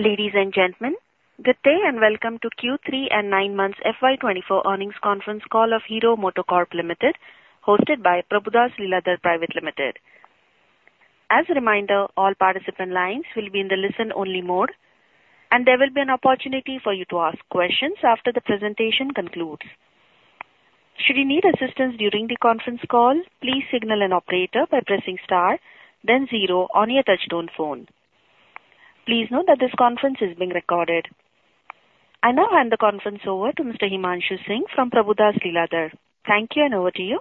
Ladies and gentlemen, good day and welcome to Q3 and nine months FY2024 earnings conference call of Hero MotoCorp Limited, hosted by Prabhudas Lilladher Private Limited. As a reminder, all participant lines will be in the listen-only mode, and there will be an opportunity for you to ask questions after the presentation concludes. Should you need assistance during the conference call, please signal an operator by pressing star, then zero on your touch-tone phone. Please note that this conference is being recorded. I now hand the conference over to Mr. Himanshu Singh from Prabhudas Lilladher. Thank you, and over to you.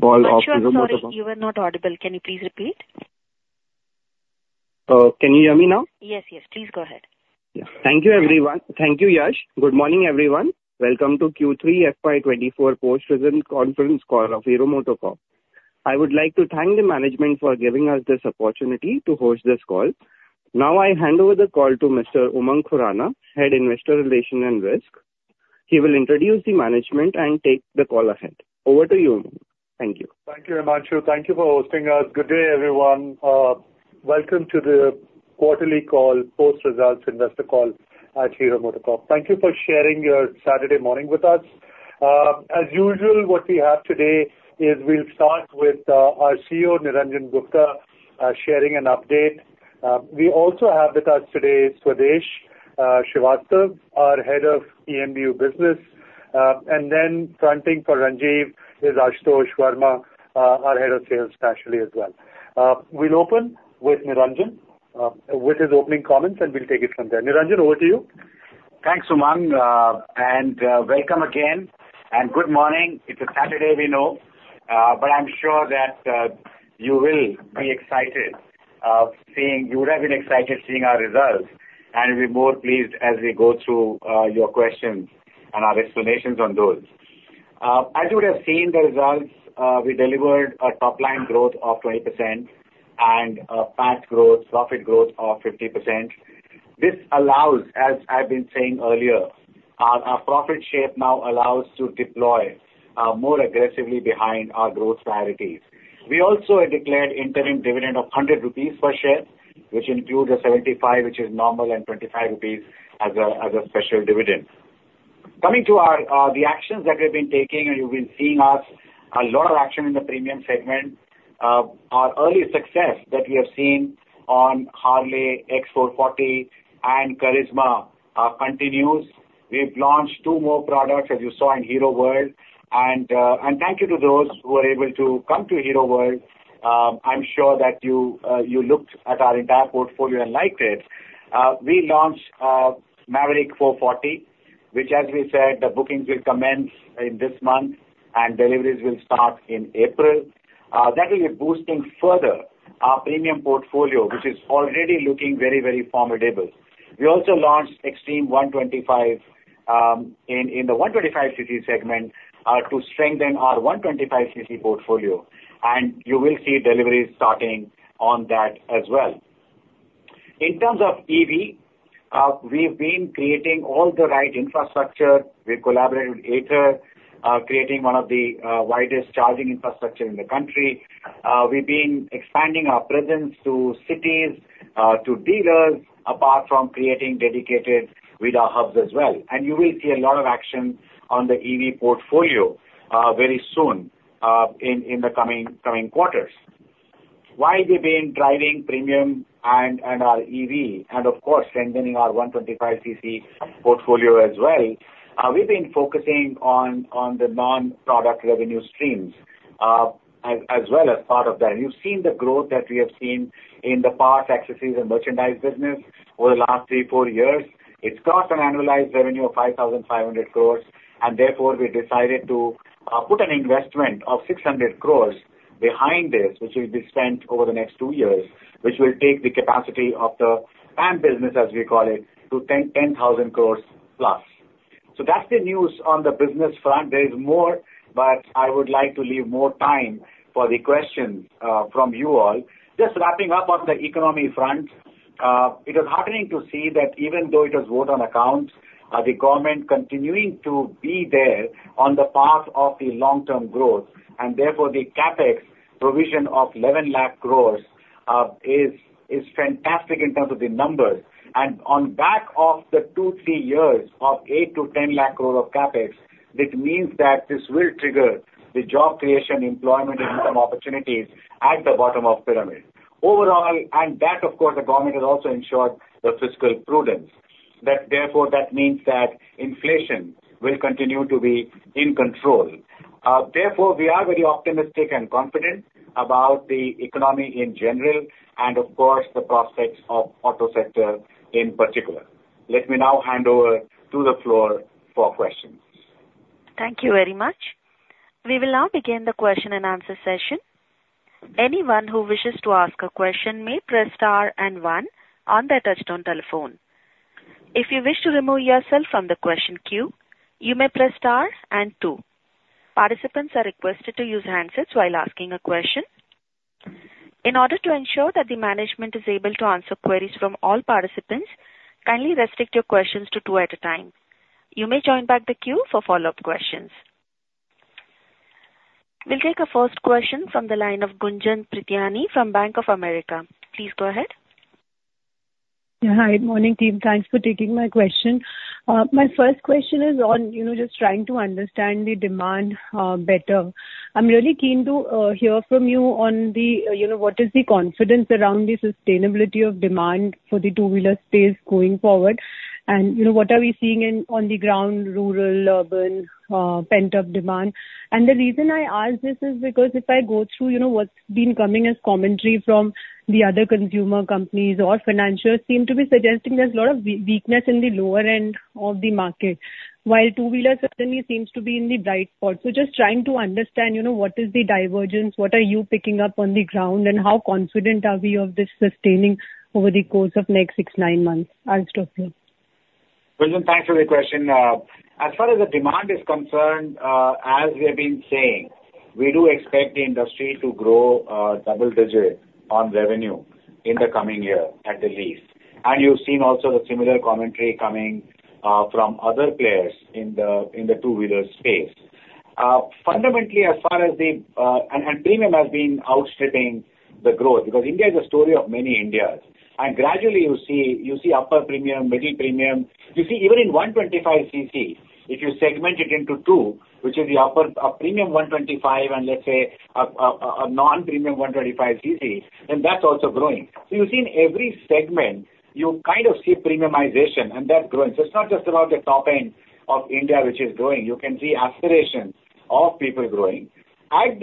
Call of Hero MotoCorp. Sure, sure. You are not audible. Can you please repeat? Can you hear me now? Yes, yes. Please go ahead. Thank you, everyone. Thank you, Yash. Good morning, everyone. Welcome to Q3 FY24 post-results conference call of Hero MotoCorp. I would like to thank the management for giving us this opportunity to host this call. Now I hand over the call to Mr. Umang Khurana, Head Investor Relations and Risk. He will introduce the management and take the call ahead. Over to you, Umang. Thank you. Thank you, Himanshu. Thank you for hosting us. Good day, everyone. Welcome to the quarterly call post-results investor call at Hero MotoCorp. Thank you for sharing your Saturday morning with us. As usual, what we have today is we'll start with our CEO, Niranjan Gupta, sharing an update. We also have with us today Swadesh Srivastava, our Head of EMBU Business, and then fronting for Ranjiv is Ashutosh Varma, our Head of Sales specially as well. We'll open with Niranjan with his opening comments, and we'll take it from there. Niranjan, over to you. Thanks, Umang. Welcome again, and good morning. It's a Saturday, we know, but I'm sure that you will be excited seeing you would have been excited seeing our results, and we're more pleased as we go through your questions and our explanations on those. As you would have seen the results, we delivered a top-line growth of 20% and a PAT growth, profit growth of 50%. This allows, as I've been saying earlier, our profit shape now allows to deploy more aggressively behind our growth priorities. We also declared interim dividend of 100 rupees per share, which includes a 75, which is normal, and 25 rupees as a special dividend. Coming to the actions that we've been taking, and you've been seeing us, a lot of action in the premium segment. Our early success that we have seen on Harley X440 and Karizma continues. We've launched two more products, as you saw, in Hero World. Thank you to those who were able to come to Hero World. I'm sure that you looked at our entire portfolio and liked it. We launched Mavrick 440, which, as we said, the bookings will commence in this month, and deliveries will start in April. That will be boosting further our premium portfolio, which is already looking very, very formidable. We also launched Xtreme 125R in the 125cc segment to strengthen our 125cc portfolio, and you will see deliveries starting on that as well. In terms of EV, we've been creating all the right infrastructure. We've collaborated with Ather Energy, creating one of the widest charging infrastructures in the country. We've been expanding our presence to cities, to dealers, apart from creating dedicated VIDA Hubs as well. You will see a lot of action on the EV portfolio very soon in the coming quarters. While we've been driving premium and our EV, and of course, strengthening our 125cc portfolio as well, we've been focusing on the non-product revenue streams as well as part of that. You've seen the growth that we have seen in the parts, accessories, and merchandise business over the last 3-4 years. It's got an annualized revenue of 5,500 crores, and therefore, we decided to put an investment of 600 crores behind this, which will be spent over the next two years, which will take the capacity of the PAM business, as we call it, to 10,000 crores plus. So that's the news on the business front. There is more, but I would like to leave more time for the questions from you all. Just wrapping up on the economy front, it is heartening to see that even though it was vote-on-account, the government continuing to be there on the path of the long-term growth, and therefore, the CapEx provision of 1,100,000 crore is fantastic in terms of the numbers. And on back of the 2-3 years of 800,000-1,000,000 crore of CapEx, it means that this will trigger the job creation, employment, and income opportunities at the bottom of the pyramid. Overall, and that, of course, the government has also ensured the fiscal prudence. Therefore, that means that inflation will continue to be in control. Therefore, we are very optimistic and confident about the economy in general and, of course, the prospects of the auto sector in particular. Let me now hand over to the floor for questions. Thank you very much. We will now begin the question-and-answer session. Anyone who wishes to ask a question may press star and one on their touch-tone telephone. If you wish to remove yourself from the question queue, you may press star and two. Participants are requested to use handsets while asking a question. In order to ensure that the management is able to answer queries from all participants, kindly restrict your questions to two at a time. You may join back the queue for follow-up questions. We'll take a first question from the line of Gunjan Prithyani from Bank of America. Please go ahead. Yeah, hi. Good morning, team. Thanks for taking my question. My first question is on just trying to understand the demand better. I'm really keen to hear from you on what is the confidence around the sustainability of demand for the two-wheeler space going forward, and what are we seeing on the ground, rural, urban, pent-up demand? And the reason I ask this is because if I go through what's been coming as commentary from the other consumer companies or financiers seem to be suggesting there's a lot of weakness in the lower end of the market, while two-wheeler certainly seems to be in the bright spot. So just trying to understand what is the divergence, what are you picking up on the ground, and how confident are we of this sustaining over the course of the next 6, 9 months? I'll start with you. Gunjan, thanks for the question. As far as the demand is concerned, as we have been saying, we do expect the industry to grow double-digit on revenue in the coming year, at the least. You've seen also the similar commentary coming from other players in the two-wheeler space. Fundamentally, as far as the and premium has been outstripping the growth because India is a story of many Indias. Gradually, you see upper premium, middle premium. You see even in 125cc, if you segment it into two, which is a premium 125 and, let's say, a non-premium 125cc, then that's also growing. So you've seen every segment, you kind of see premiumization, and that's growing. So it's not just about the top end of India, which is growing. You can see aspirations of people growing. At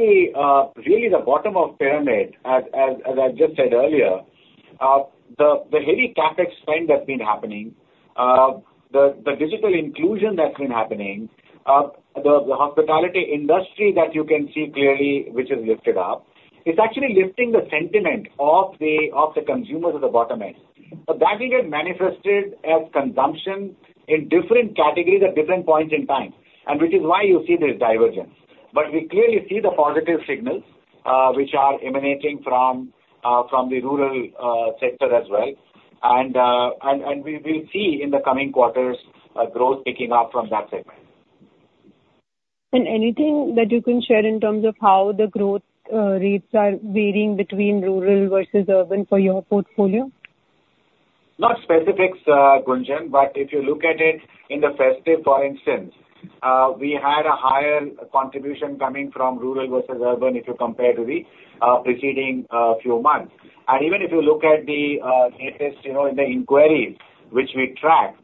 really the bottom of the pyramid, as I just said earlier, the heavy CapEx spend that's been happening, the digital inclusion that's been happening, the hospitality industry that you can see clearly, which is lifted up, is actually lifting the sentiment of the consumers at the bottom end. That will get manifested as consumption in different categories at different points in time, and which is why you see this divergence. We clearly see the positive signals, which are emanating from the rural sector as well. We will see in the coming quarters growth picking up from that segment. Anything that you can share in terms of how the growth rates are varying between rural versus urban for your portfolio? No specifics, Gunjan, but if you look at it in the festive, for instance, we had a higher contribution coming from rural versus urban if you compare to the preceding few months. Even if you look at the latest in the inquiries, which we track,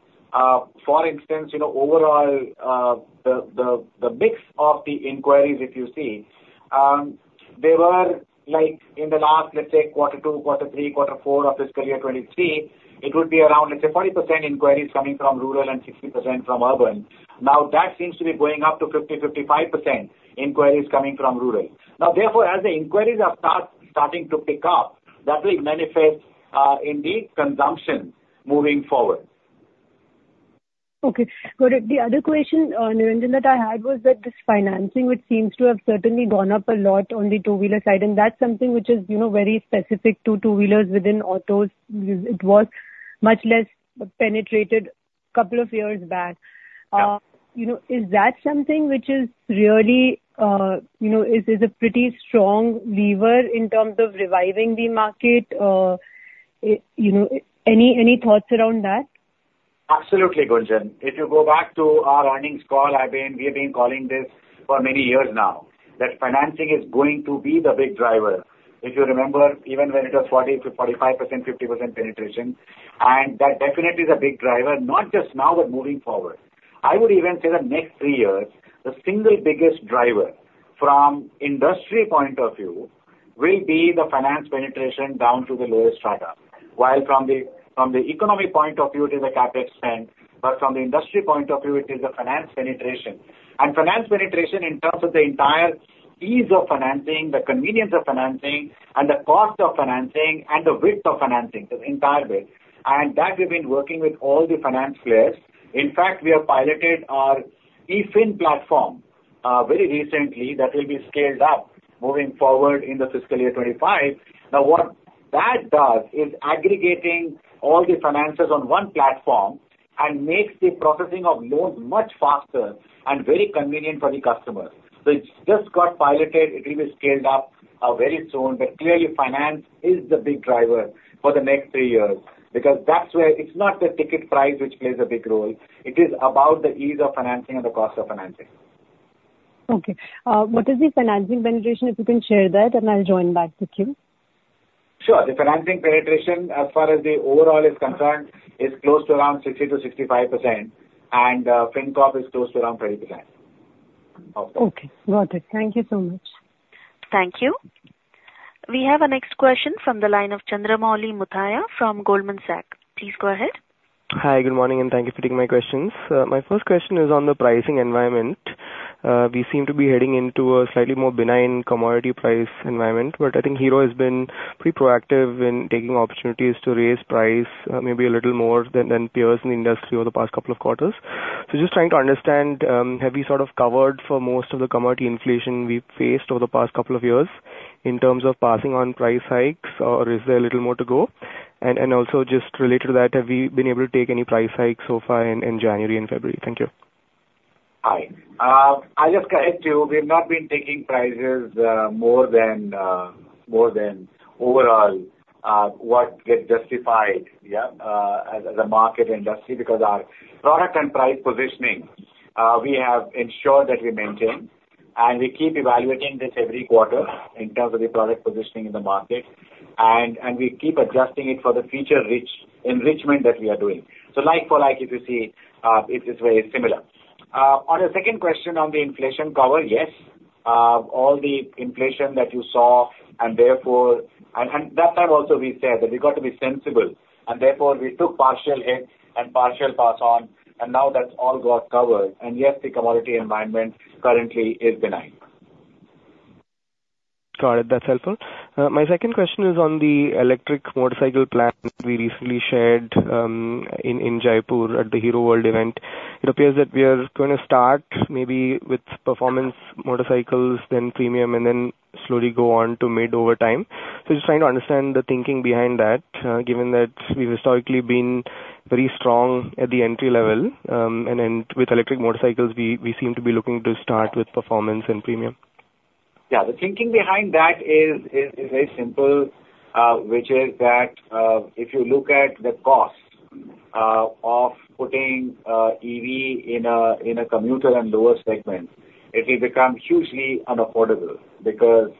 for instance, overall, the mix of the inquiries, if you see, they were in the last, let's say, quarter two, quarter three, quarter four of fiscal year 2023, it would be around, let's say, 40% inquiries coming from rural and 60% from urban. Now, that seems to be going up to 50%-55% inquiries coming from rural. Now, therefore, as the inquiries are starting to pick up, that will manifest in the consumption moving forward. Okay. Got it. The other question, Niranjan, that I had was that this financing, which seems to have certainly gone up a lot on the two-wheeler side, and that's something which is very specific to two-wheelers within autos. It was much less penetrated a couple of years back. Is that something which really is a pretty strong lever in terms of reviving the market? Any thoughts around that? Absolutely, Gunjan. If you go back to our earnings call, we have been calling this for many years now, that financing is going to be the big driver. If you remember, even when it was 40%-45%, 50% penetration, and that definitely is a big driver, not just now, but moving forward. I would even say the next three years, the single biggest driver from the industry point of view will be the finance penetration down to the lowest strata, while from the economic point of view, it is a CapEx spend, but from the industry point of view, it is the finance penetration. And finance penetration in terms of the entire ease of financing, the convenience of financing, and the cost of financing, and the width of financing, the entire bit. And that we've been working with all the finance players. In fact, we have piloted our eFin platform very recently that will be scaled up moving forward in the fiscal year 2025. Now, what that does is aggregating all the finances on one platform and makes the processing of loans much faster and very convenient for the customers. So it's just got piloted. It will be scaled up very soon, but clearly, finance is the big driver for the next three years because that's where it's not the ticket price, which plays a big role. It is about the ease of financing and the cost of financing. Okay. What is the financing penetration, if you can share that, and I'll join back the queue? Sure. The financing penetration, as far as the overall is concerned, is close to around 60%-65%, and FinCorp is close to around 30% of that. Okay. Got it. Thank you so much. Thank you. We have a next question from the line of Chandramouli Muthiah from Goldman Sachs. Please go ahead. Hi. Good morning, and thank you for taking my questions. My first question is on the pricing environment. We seem to be heading into a slightly more benign commodity price environment, but I think Hero has been pretty proactive in taking opportunities to raise price maybe a little more than peers in the industry over the past couple of quarters. So just trying to understand, have we sort of covered for most of the commodity inflation we've faced over the past couple of years in terms of passing on price hikes, or is there a little more to go? And also just related to that, have we been able to take any price hikes so far in January and February? Thank you. Hi. I'll just get into, we've not been taking prices more than overall what gets justified, yeah, as a market industry because our product and price positioning, we have ensured that we maintain, and we keep evaluating this every quarter in terms of the product positioning in the market, and we keep adjusting it for the future enrichment that we are doing. So like for like, if you see, it's very similar. On the second question on the inflation cover, yes, all the inflation that you saw, and therefore and that time, also, we said that we got to be sensible, and therefore, we took partial hit and partial pass on, and now that's all got covered. And yes, the commodity environment currently is benign. Got it. That's helpful. My second question is on the electric motorcycle plan we recently shared in Jaipur at the Hero World event. It appears that we are going to start maybe with performance motorcycles, then premium, and then slowly go on to mid over time. So just trying to understand the thinking behind that, given that we've historically been very strong at the entry level, and with electric motorcycles, we seem to be looking to start with performance and premium. Yeah. The thinking behind that is very simple, which is that if you look at the cost of putting EV in a commuter and lower segment, it will become hugely unaffordable because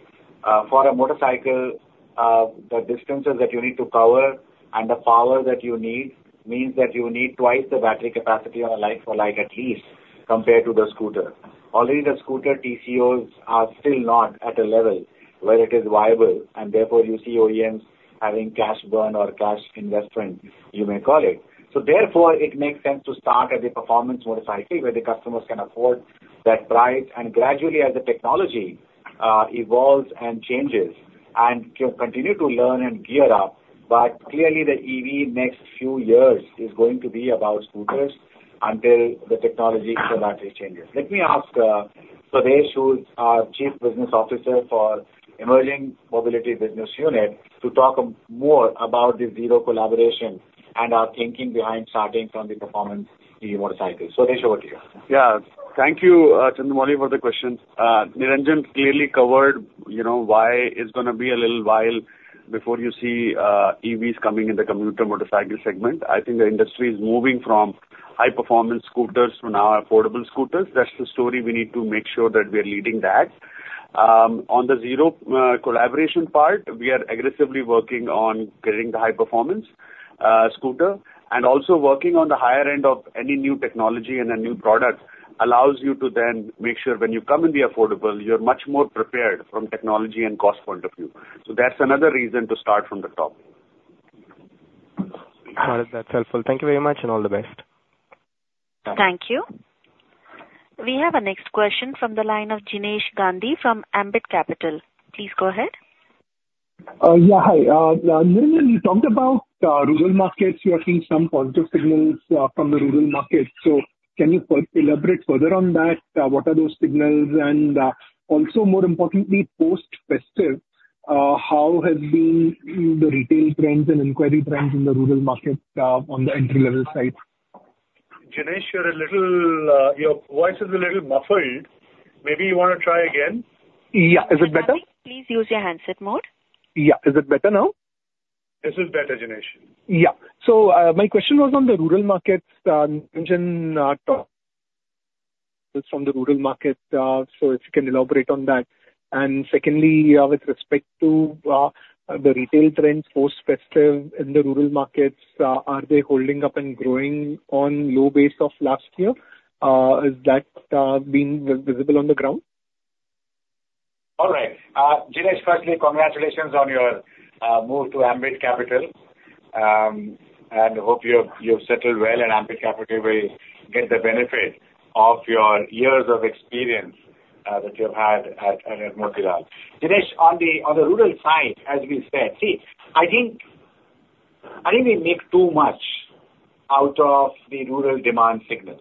for a motorcycle, the distances that you need to cover and the power that you need means that you need twice the battery capacity on a like for like, at least, compared to the scooter. Already, the scooter TCOs are still not at a level where it is viable, and therefore, you see OEMs having cash burn or cash investment, you may call it. So therefore, it makes sense to start at the performance motorcycle where the customers can afford that price, and gradually, as the technology evolves and changes and continue to learn and gear up, but clearly, the EV next few years is going to be about scooters until the technology for battery changes. Let me ask Swadesh Srivastava, our Chief Business Officer for the Emerging Mobility Business Unit, to talk more about the Zero collaboration and our thinking behind starting from the performance EV motorcycle. Swadesh, over to you. Yeah. Thank you, Chandramouli, for the question. Niranjan clearly covered why it's going to be a little while before you see EVs coming in the commuter motorcycle segment. I think the industry is moving from high-performance scooters to now affordable scooters. That's the story. We need to make sure that we are leading that. On the Zero collaboration part, we are aggressively working on getting the high-performance scooter and also working on the higher end of any new technology and a new product allows you to then make sure when you come in the affordable, you're much more prepared from technology and cost point of view. So that's another reason to start from the top. Got it. That's helpful. Thank you very much and all the best. Thank you. We have a next question from the line of Jinesh Gandhi from Ambit Capital. Please go ahead. Yeah. Hi. Niranjan, you talked about rural markets. You are seeing some positive signals from the rural markets. So can you elaborate further on that? What are those signals? And also, more importantly, post-festive, how have been the retail trends and inquiry trends in the rural market on the entry-level side? Jinesh, your voice is a little muffled. Maybe you want to try again? Yeah. Is it better? Please use your handset mode. Yeah. Is it better now? This is better, Jinesh. Yeah. So my question was on the rural markets. Gunjan talked from the rural market, so if you can elaborate on that. And secondly, with respect to the retail trends, post-festive in the rural markets, are they holding up and growing on the low base of last year? Has that been visible on the ground? All right. Jinesh, firstly, congratulations on your move to Ambit Capital, and I hope you've settled well, and Ambit Capital will get the benefit of your years of experience that you've had at Motilal. Jinesh, on the rural side, as we said, see, I think we make too much out of the rural demand signals.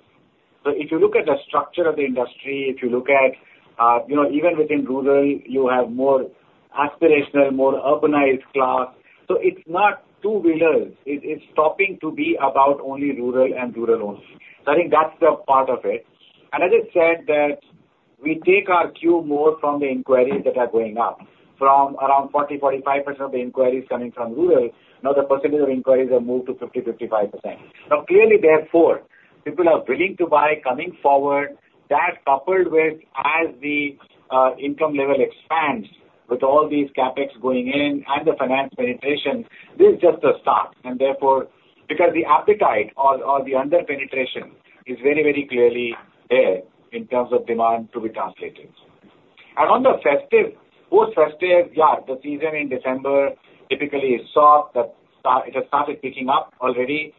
So if you look at the structure of the industry, if you look at even within rural, you have more aspirational, more urbanized class. So it's not two-wheelers. It's stopping to be about only rural and rural only. So I think that's the part of it. And as I said, that we take our cue more from the inquiries that are going up. From around 40%-45% of the inquiries coming from rural, now the percentage of inquiries have moved to 50%-55%. Now, clearly, therefore, people are willing to buy coming forward. That coupled with, as the income level expands with all these CapEx going in and the finance penetration, this is just a start. Therefore, because the appetite or the underpenetration is very, very clearly there in terms of demand to be translated. On the festive, post-festive, yeah, the season in December typically is soft. It has started picking up already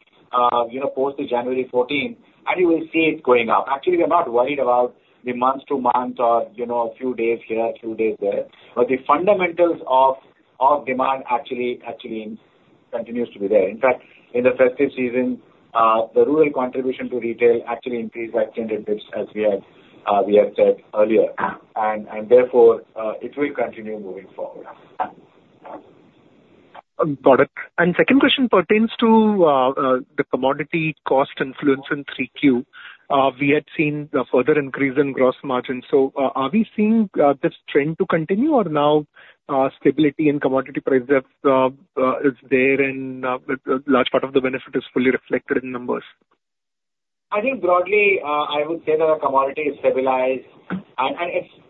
post January 14, and you will see it going up. Actually, we are not worried about the month to month or a few days here, a few days there, but the fundamentals of demand actually continues to be there. In fact, in the festive season, the rural contribution to retail actually increased by 100 basis points as we had said earlier, and therefore, it will continue moving forward. Got it. And second question pertains to the commodity cost influence in 3Q. We had seen a further increase in gross margin. So are we seeing this trend to continue, or now stability in commodity prices is there, and a large part of the benefit is fully reflected in numbers? I think broadly, I would say that the commodity is stabilized, and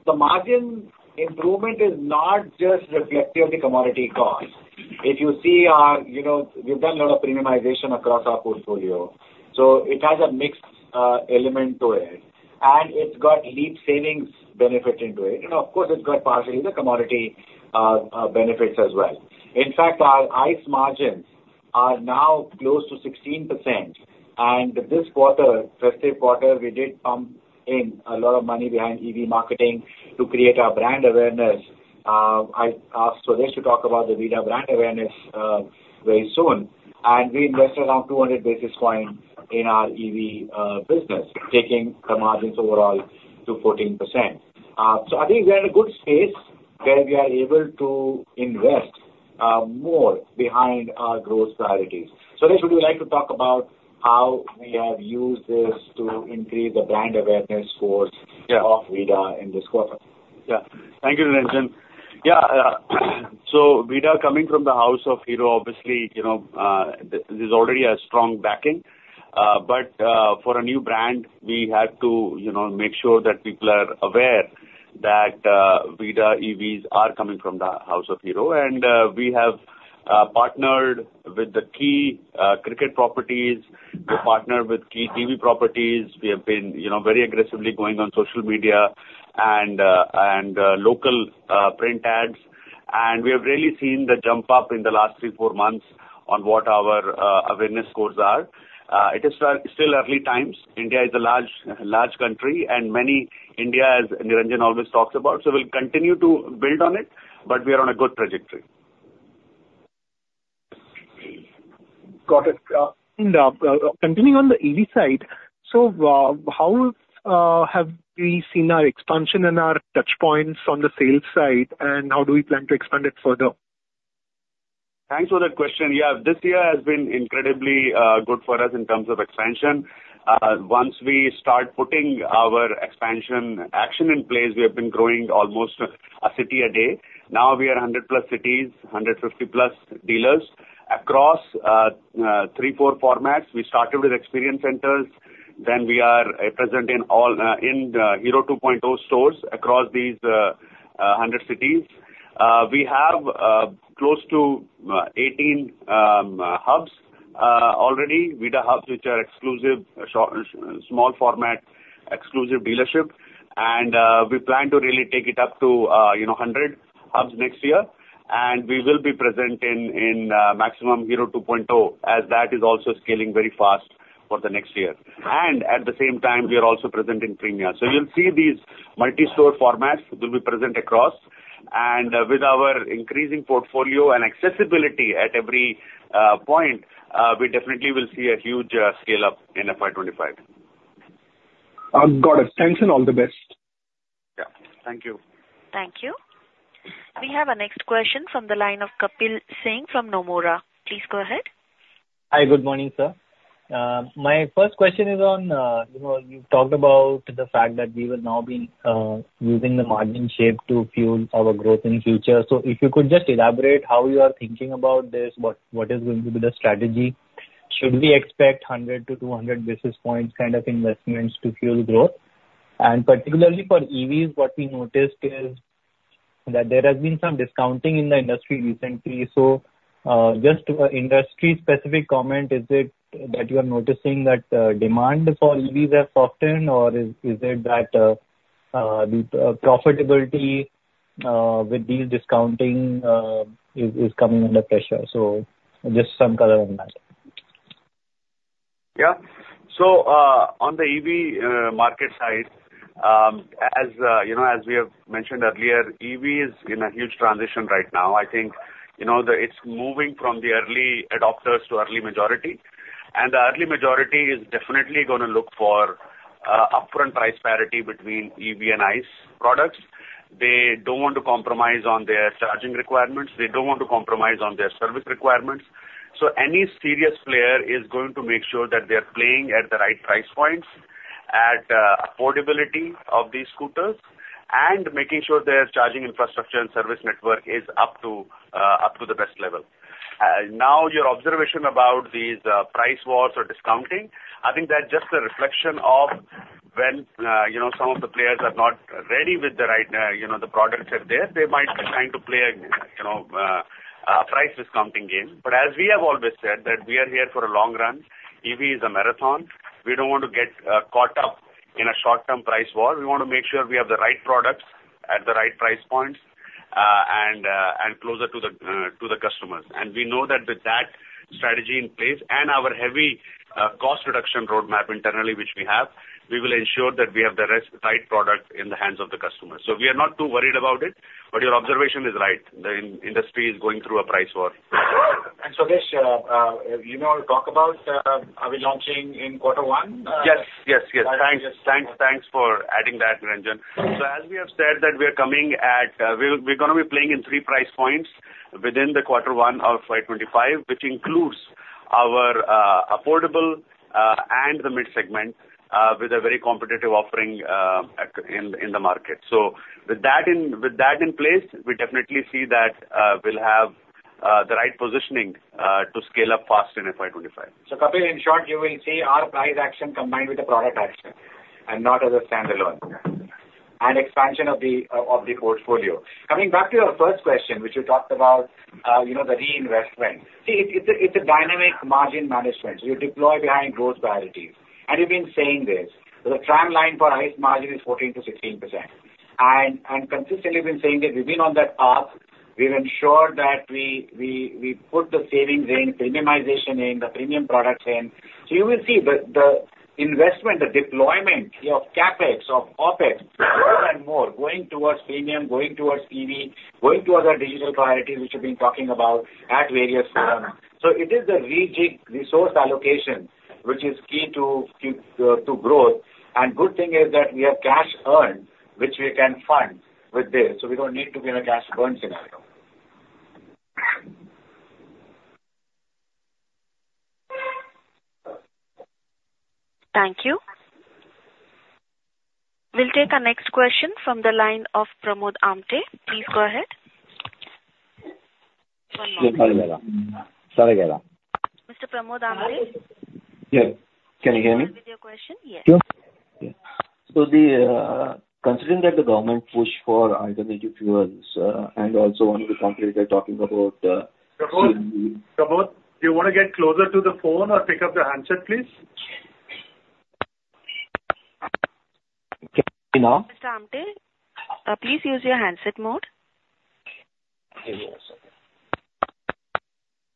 the margin improvement is not just reflective of the commodity cost. If you see, we've done a lot of premiumization across our portfolio, so it has a mixed element to it, and it's got LEAP savings benefit into it. And of course, it's got partially the commodity benefits as well. In fact, our ICE margins are now close to 16%, and this quarter, festive quarter, we did pump in a lot of money behind EV marketing to create our brand awareness. I asked Swadesh to talk about the VIDA brand awareness very soon, and we invested around 200 basis points in our EV business, taking the margins overall to 14%. So I think we are in a good space where we are able to invest more behind our growth priorities. Swadesh, would you like to talk about how we have used this to increase the brand awareness scores of VIDA in this quarter? Yeah. Thank you, Niranjan. Yeah. So VIDA, coming from the house of Hero, obviously, there's already a strong backing, but for a new brand, we have to make sure that people are aware that VIDA EVs are coming from the house of Hero. And we have partnered with the key cricket properties. We've partnered with key TV properties. We have been very aggressively going on social media and local print ads, and we have really seen the jump up in the last 3-4 months on what our awareness scores are. It is still early times. India is a large country, and many Indias as Niranjan always talks about, so we'll continue to build on it, but we are on a good trajectory. Got it. Continuing on the EV side, so how have we seen our expansion and our touchpoints on the sales side, and how do we plan to expand it further? Thanks for that question. Yeah. This year has been incredibly good for us in terms of expansion. Once we start putting our expansion action in place, we have been growing almost a city a day. Now, we are 100+ cities, 150+ dealers across 3, 4 formats. We started with experience centers. Then we are present in Hero 2.0 stores across these 100 cities. We have close to 18 hubs already, VIDA hubs, which are exclusive small format exclusive dealership, and we plan to really take it up to 100 hubs next year. And we will be present in maximum Hero 2.0 as that is also scaling very fast for the next year. And at the same time, we are also present in premium. So you'll see these multi-store formats will be present across. With our increasing portfolio and accessibility at every point, we definitely will see a huge scale-up in FY25. Got it. Thanks and all the best. Yeah. Thank you. Thank you. We have a next question from the line of Kapil Singh from Nomura. Please go ahead. Hi. Good morning, sir. My first question is on you've talked about the fact that we will now be using the margin shape to fuel our growth in the future. So if you could just elaborate how you are thinking about this, what is going to be the strategy? Should we expect 100-200 basis points kind of investments to fuel growth? And particularly for EVs, what we noticed is that there has been some discounting in the industry recently. So just an industry-specific comment, is it that you are noticing that demand for EVs has softened, or is it that profitability with these discounting is coming under pressure? So just some color on that. Yeah. So on the EV market side, as we have mentioned earlier, EV is in a huge transition right now. I think it's moving from the early adopters to early majority, and the early majority is definitely going to look for upfront price parity between EV and ICE products. They don't want to compromise on their charging requirements. They don't want to compromise on their service requirements. So any serious player is going to make sure that they are playing at the right price points, at affordability of these scooters, and making sure their charging infrastructure and service network is up to the best level. Now, your observation about these price wars or discounting, I think that's just a reflection of when some of the players are not ready with the products that are there. They might be trying to play a price discounting game. But as we have always said, that we are here for a long run. EV is a marathon. We don't want to get caught up in a short-term price war. We want to make sure we have the right products at the right price points and closer to the customers. And we know that with that strategy in place and our heavy cost reduction roadmap internally, which we have, we will ensure that we have the right product in the hands of the customers. So we are not too worried about it, but your observation is right. The industry is going through a price war. Swadesh, you talk about are we launching in quarter one? Yes. Yes. Yes. Thanks for adding that, Niranjan. So as we have said that we are coming at we're going to be playing in three price points within the quarter one of FY25, which includes our affordable and the mid-segment with a very competitive offering in the market. So with that in place, we definitely see that we'll have the right positioning to scale up fast in FY25. So Kapil, in short, you will see our price action combined with the product action and not as a standalone and expansion of the portfolio. Coming back to your first question, which you talked about, the reinvestment, see, it's a dynamic margin management. So you deploy behind growth priorities, and you've been saying this. The trend line for ICE margin is 14%-16%. And consistently, we've been saying that we've been on that path. We've ensured that we put the savings in, premiumization in, the premium products in. So you will see the investment, the deployment of CapEx, of OpEx, more and more going towards premium, going towards EV, going towards our digital priorities, which you've been talking about at various forums. So it is the rigid resource allocation, which is key to growth. The good thing is that we have cash earned, which we can fund with this. We don't need to be in a cash burn scenario. Thank you. We'll take a next question from the line of Pramod Amthe. Please go ahead. Yes. Sorry. Sorry. Mr. Pramod Amthe? Yes. Can you hear me? I'm listening to your question. Yes. Sure. Yes. Considering that the government pushed for alternative fuels and also one of the competitors are talking about. Pramod, do you want to get closer to the phone or pick up the handset, please? Can you hear me now? Mr. Amthe, please use your handset mode. Give me one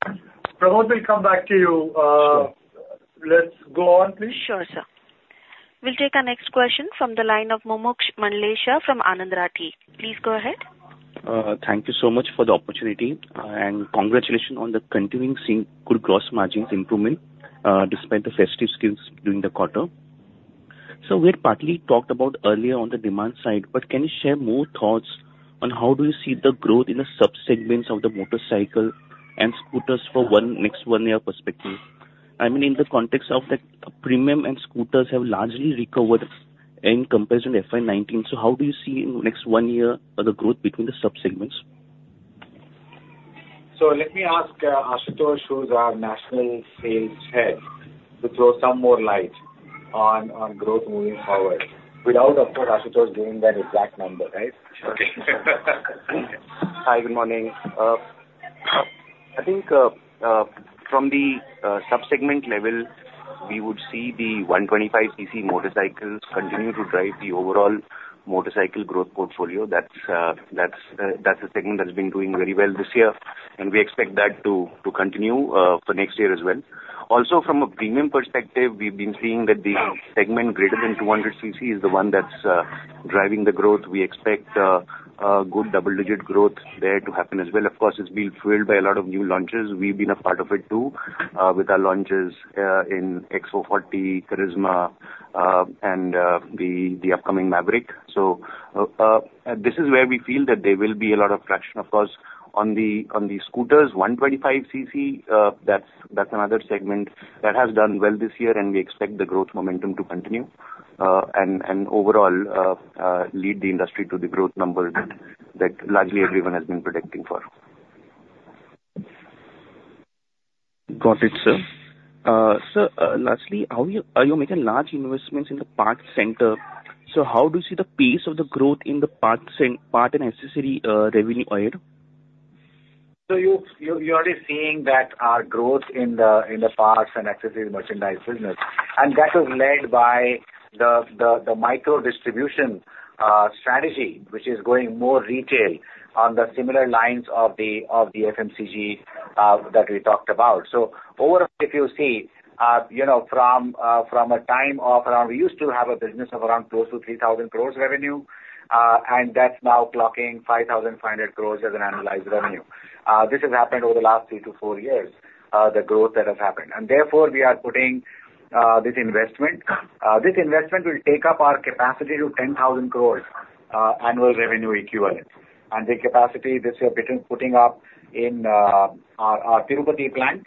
second. Pramod will come back to you. Let's go on, please. Sure, sir. We'll take a next question from the line of Mumuksh Mandlesha from Anand Rathi. Please go ahead. Thank you so much for the opportunity, and congratulations on continuing seeing good gross margins improvement despite the festive sales during the quarter. So we had partly talked about earlier on the demand side, but can you share more thoughts on how do you see the growth in the subsegments of the motorcycle and scooters for next one-year perspective? I mean, in the context of that, premium and scooters have largely recovered in comparison to FY19. So how do you see in the next one year the growth between the subsegments? Let me ask Ashutosh, who's our national sales head, to throw some more light on growth moving forward without, of course, Ashutosh giving that exact number, right? Okay. Hi. Good morning. I think from the subsegment level, we would see the 125cc motorcycles continue to drive the overall motorcycle growth portfolio. That's a segment that's been doing very well this year, and we expect that to continue for next year as well. Also, from a premium perspective, we've been seeing that the segment greater than 200cc is the one that's driving the growth. We expect good double-digit growth there to happen as well. Of course, it's been fueled by a lot of new launches. We've been a part of it too with our launches in X440, Karizma, and the upcoming Mavrick. So this is where we feel that there will be a lot of traction. Of course, on the scooters, 125cc, that's another segment that has done well this year, and we expect the growth momentum to continue and overall lead the industry to the growth numbers that largely everyone has been predicting for. Got it, sir. So lastly, are you making large investments in the parts center? So how do you see the pace of the growth in the parts and accessory revenue ahead? So you're already seeing that our growth in the parts and accessory merchandise business, and that was led by the micro distribution strategy, which is going more retail on the similar lines of the FMCG that we talked about. So overall, if you see from a time of around we used to have a business of around close to 3,000 crore revenue, and that's now clocking 5,500 crore as an annualized revenue. This has happened over the last three to four years, the growth that has happened. And therefore, we are putting this investment. This investment will take up our capacity to 10,000 crore annual revenue equivalent. And the capacity this year, we're putting up in our Tirupati plant,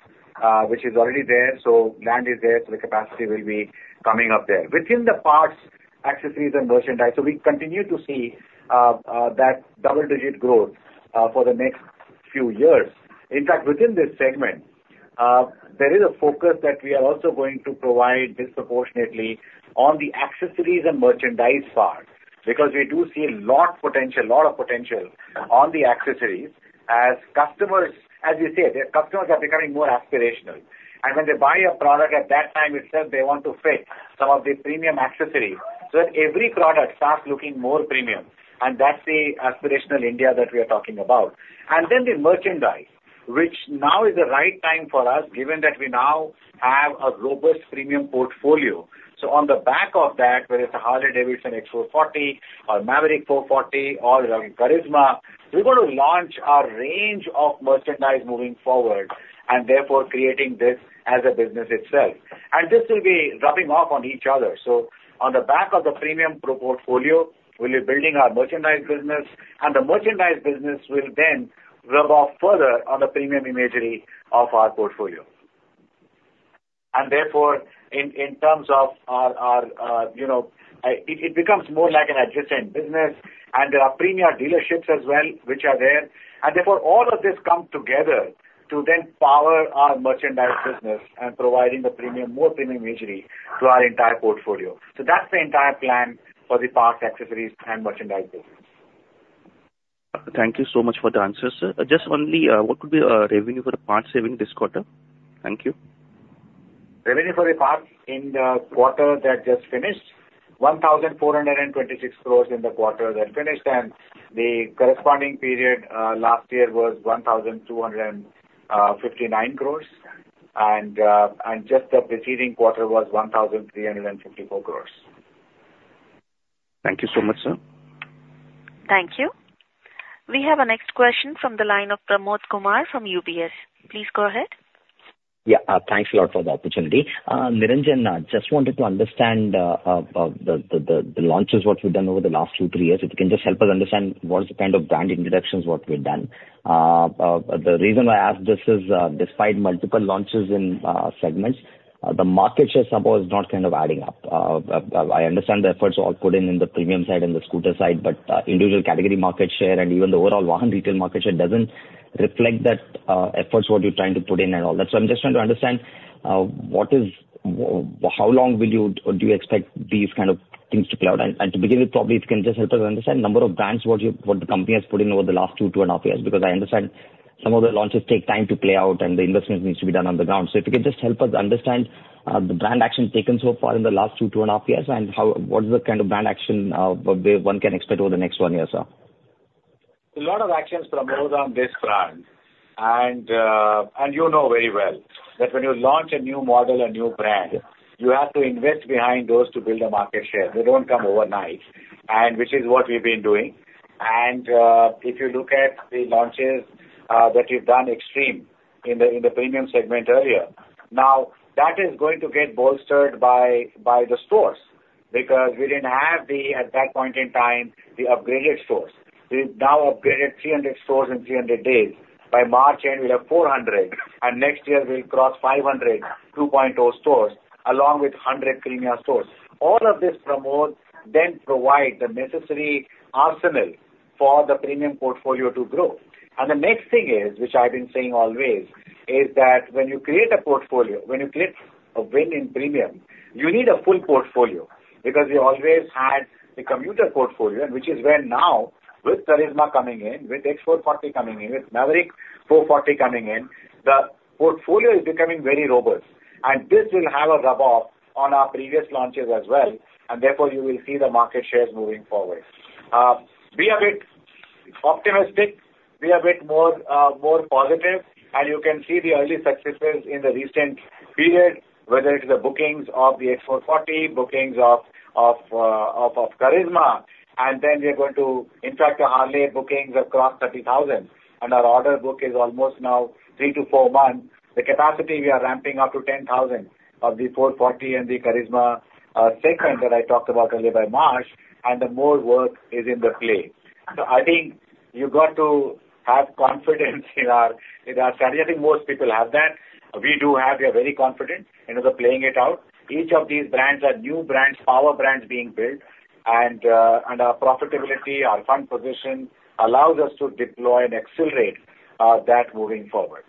which is already there. So land is there, so the capacity will be coming up there. Within the parts, accessories, and merchandise, so we continue to see that double-digit growth for the next few years. In fact, within this segment, there is a focus that we are also going to provide disproportionately on the accessories and merchandise part because we do see a lot of potential on the accessories as customers as you say, customers are becoming more aspirational. And when they buy a product at that time itself, they want to fit some of the premium accessories so that every product starts looking more premium. And that's the aspirational India that we are talking about. And then the merchandise, which now is the right time for us given that we now have a robust premium portfolio. On the back of that, whether it's a Harley-Davidson X440 or Mavrick 440 or Karizma, we're going to launch our range of merchandise moving forward and therefore creating this as a business itself. This will be rubbing off on each other. On the back of the premium portfolio, we'll be building our merchandise business, and the merchandise business will then rub off further on the premium imagery of our portfolio. Therefore, in terms of our, it becomes more like an adjacent business, and there are premium dealerships as well, which are there. Therefore, all of this comes together to then power our merchandise business and providing more premium imagery to our entire portfolio. That's the entire plan for the parts, accessories, and merchandise business. Thank you so much for the answers, sir. Just only what would be revenue for the parts saving this quarter? Thank you. Revenue for the parts in the quarter that just finished, 1,426 crore in the quarter that finished. The corresponding period last year was 1,259 crore, and just the preceding quarter was 1,354 crore. Thank you so much, sir. Thank you. We have a next question from the line of Pramod Kumar from UBS. Please go ahead. Yeah. Thanks a lot for the opportunity. Niranjan, I just wanted to understand the launches, what we've done over the last 2, 3 years. If you can just help us understand what is the kind of brand introductions what we've done. The reason why I ask this is despite multiple launches in segments, the market share somehow is not kind of adding up. I understand the efforts all put in in the premium side and the scooter side, but individual category market share and even the overall wholesale retail market share doesn't reflect that efforts, what you're trying to put in, and all that. So I'm just trying to understand how long do you expect these kind of things to play out? To begin with, probably, if you can just help us understand the number of brands, what the company has put in over the last 2, 2.5 years because I understand some of the launches take time to play out, and the investment needs to be done on the ground. So if you could just help us understand the brand action taken so far in the last 2, 2.5 years, and what is the kind of brand action one can expect over the next 1 year, sir? A lot of actions, Pramod, on this brand. You know very well that when you launch a new model, a new brand, you have to invest behind those to build a market share. They don't come overnight, which is what we've been doing. If you look at the launches that you've done, Xtreme, in the premium segment earlier, now, that is going to get bolstered by the stores because we didn't have at that point in time the upgraded stores. We've now upgraded 300 stores in 300 days. By March end, we'll have 400, and next year, we'll cross 500 2.0 stores along with 100 premium stores. All of this, Pramod, then provides the necessary arsenal for the premium portfolio to grow. And the next thing is, which I've been saying always, is that when you create a portfolio, when you create a win in premium, you need a full portfolio because we always had the commuter portfolio, which is where now, with Karizma coming in, with X440 coming in, with Mavrick 440 coming in, the portfolio is becoming very robust. And this will have a rub-off on our previous launches as well. And therefore, you will see the market shares moving forward. Be a bit optimistic. Be a bit more positive. And you can see the early successes in the recent period, whether it's the bookings of the X440, bookings of Karizma. And then we're going to impact the Harley bookings across 30,000. And our order book is almost now 3-4 months. The capacity, we are ramping up to 10,000 of the 440 and the Karizma segment that I talked about earlier by March. The more work is in the play. So I think you've got to have confidence in our strategy. I think most people have that. We do have. We are very confident in playing it out. Each of these brands are new brands, power brands being built. Our profitability, our fund position allows us to deploy and accelerate that moving forward.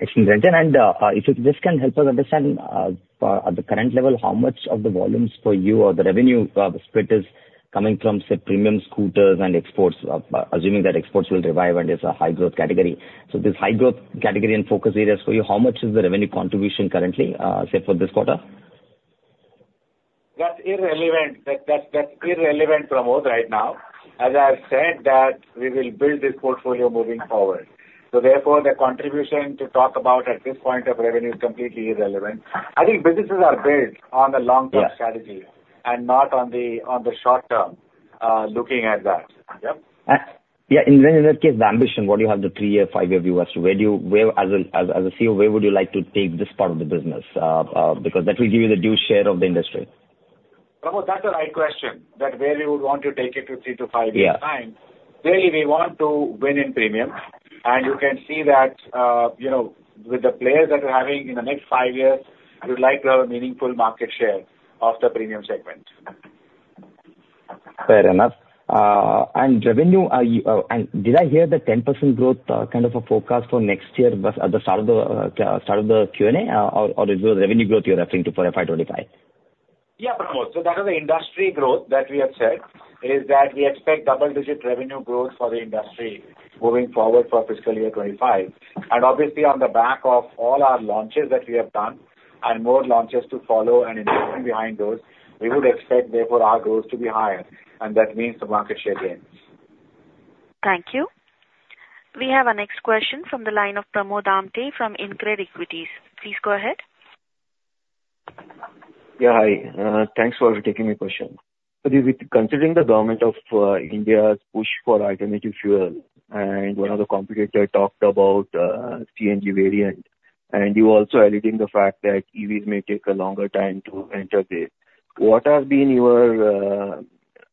Excellent, Niranjan. And if you just can help us understand at the current level, how much of the volumes for you or the revenue split is coming from, say, premium scooters and exports, assuming that exports will revive and it's a high-growth category. So this high-growth category and focus areas for you, how much is the revenue contribution currently, say, for this quarter? That's irrelevant. That's irrelevant, Pramod, right now. As I have said, that we will build this portfolio moving forward. So therefore, the contribution to talk about at this point of revenue is completely irrelevant. I think businesses are built on the long-term strategy and not on the short-term looking at that. Yeah. And then, in that case, the ambition—what do you have the three-year, five-year view as to where you as a CEO where would you like to take this part of the business? Because that will give you the due share of the industry? Pramod, that's a right question, that's where we would want to take it to 3-5 years' time. Clearly, we want to win in premium. You can see that with the players that we're having in the next 5 years, we would like to have a meaningful market share of the premium segment. Fair enough. And revenue, did I hear the 10% growth kind of a forecast for next year at the start of the Q&A, or is it revenue growth you're referring to for FY25? Yeah, Pramod. So that is the industry growth that we have said, is that we expect double-digit revenue growth for the industry moving forward for fiscal year 2025. And obviously, on the back of all our launches that we have done and more launches to follow and investment behind those, we would expect, therefore, our growth to be higher. And that means the market share gain. Thank you. We have a next question from the line of Pramod Amthe from InCred Equities. Please go ahead. Yeah. Hi. Thanks for taking my question. Considering the government of India's push for alternative fuel and one of the competitors talked about CNG variant, and you're also alluding to the fact that EVs may take a longer time to enter the what has been your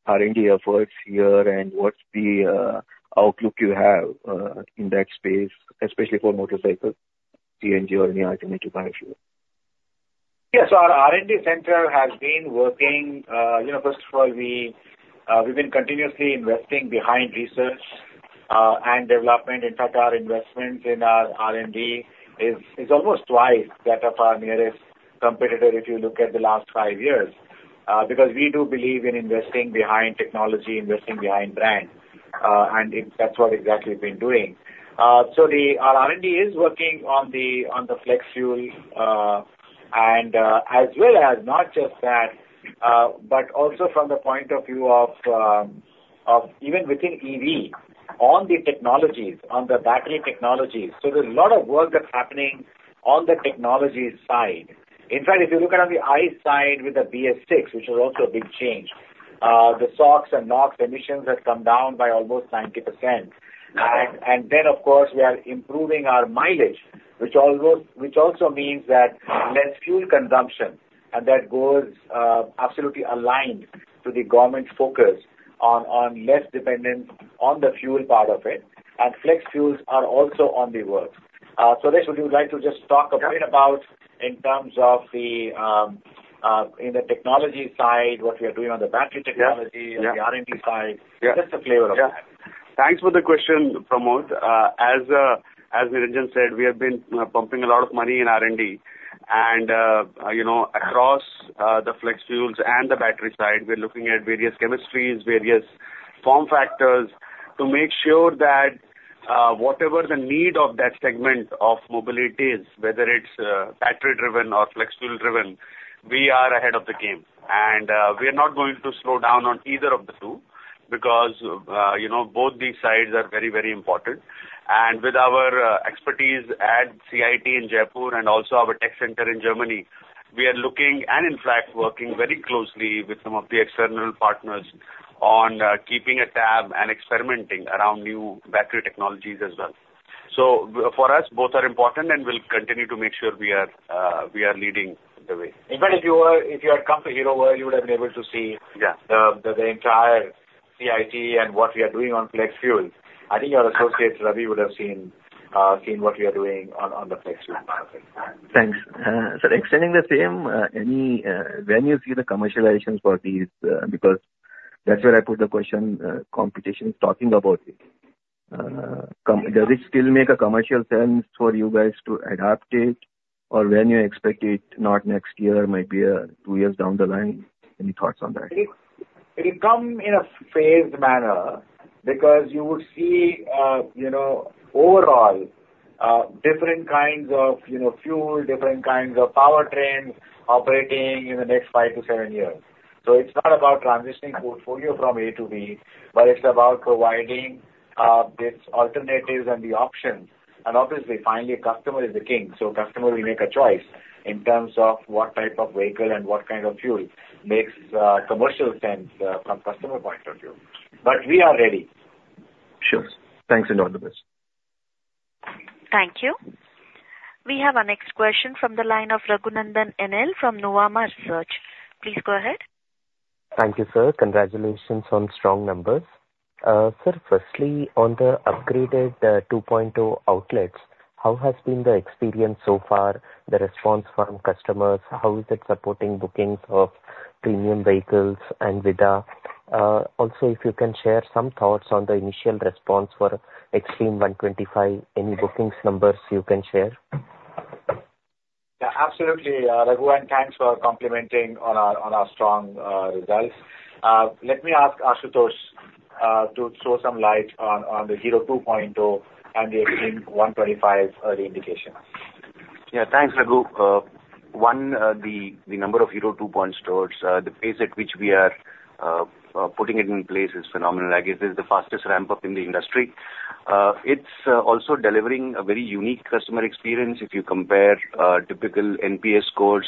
R&D efforts here, and what's the outlook you have in that space, especially for motorcycles, CNG, or any alternative biofuel? Yeah. So our R&D center has been working. First of all, we've been continuously investing behind research and development. In fact, our investment in our R&D is almost twice that of our nearest competitor if you look at the last 5 years because we do believe in investing behind technology, investing behind brand. And that's what exactly we've been doing. So our R&D is working on the flex fuel, as well as not just that, but also from the point of view of even within EV, on the technologies, on the battery technologies. So there's a lot of work that's happening on the technology side. In fact, if you look at on the ICE side with the BS6, which is also a big change, the SOX and NOx emissions have come down by almost 90%. Then, of course, we are improving our mileage, which also means that less fuel consumption. That goes absolutely aligned to the government's focus on less dependence on the fuel part of it. Flex fuels are also on the work. That's what we would like to just talk a bit about in terms of in the technology side, what we are doing on the battery technology and the R&D side, just a flavor of that. Yeah. Thanks for the question, Pramod. As Niranjan said, we have been pumping a lot of money in R&D. And across the flex fuels and the battery side, we're looking at various chemistries, various form factors to make sure that whatever the need of that segment of mobility is, whether it's battery-driven or flex fuel-driven, we are ahead of the game. And we are not going to slow down on either of the two because both these sides are very, very important. And with our expertise at CIT in Jaipur and also our tech center in Germany, we are looking and, in fact, working very closely with some of the external partners on keeping tabs and experimenting around new battery technologies as well. So for us, both are important and we'll continue to make sure we are leading the way. In fact, if you had come to Hero World, you would have been able to see the entire CIT and what we are doing on flex fuel. I think your associate, Ravi, would have seen what we are doing on the flex fuel part of it. Thanks. So, extending the theme, when you see the commercializations for these because that's where I put the question, competition is talking about it. Does it still make a commercial sense for you guys to adapt it, or when you expect it, not next year, maybe two years down the line? Any thoughts on that? It will come in a phased manner because you would see overall different kinds of fuel, different kinds of powertrains operating in the next 5-7 years. It's not about transitioning portfolio from A to B, but it's about providing these alternatives and the options. Obviously, finally, a customer is the king. Customer will make a choice in terms of what type of vehicle and what kind of fuel makes commercial sense from a customer point of view. We are ready. Sure. Thanks and all the best. Thank you. We have a next question from the line of Raghunandan N.L. from Nuvama Institutional Equities. Please go ahead. Thank you, sir. Congratulations on strong numbers. Sir, firstly, on the upgraded 2.0 outlets, how has been the experience so far, the response from customers? How is it supporting bookings of premium vehicles and VIDA? Also, if you can share some thoughts on the initial response for Xtreme 125R, any bookings numbers you can share? Yeah. Absolutely, Raghu. And thanks for complimenting on our strong results. Let me ask Ashutosh to throw some light on the Hero 2.0 and the Xtreme 125R early indication. Yeah. Thanks, Raghu. One, the number of Hero 2.0 stores, the pace at which we are putting it in place is phenomenal. I guess this is the fastest ramp-up in the industry. It's also delivering a very unique customer experience if you compare typical NPS scores,